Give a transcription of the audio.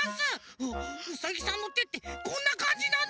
ウサギさんのてってこんなかんじなんだ！